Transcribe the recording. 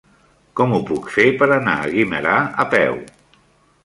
Com ho puc fer per anar a Guimerà a peu?